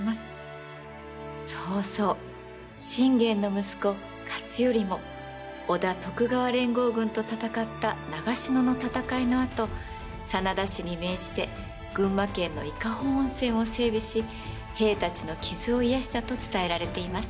そうそう信玄の息子勝頼も織田・徳川連合軍と戦った長篠の戦いのあと真田氏に命じて群馬県の伊香保温泉を整備し兵たちの傷を癒やしたと伝えられています。